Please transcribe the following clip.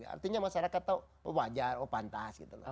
artinya masyarakat tau wajar oh pantas gitu loh